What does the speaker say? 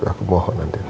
dan ke migailah di dirinya